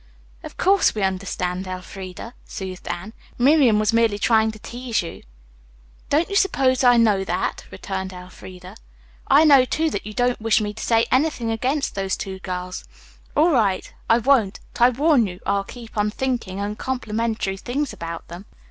"Of course we understand, Elfreda," soothed Anne. "Miriam was merely trying to tease you." "Don't you suppose I know that?" returned Elfreda. "I know, too, that you don't wish me to say anything against those two girls. All right, I won't, but I warn you, I'll keep on thinking uncomplimentary things about them.